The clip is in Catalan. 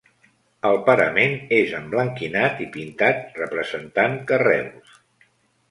El parament és emblanquinat i pintat representant carreus.